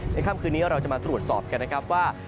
ค่ำคืนนี้เราจะมาตรวจสอบกันนะครับว่า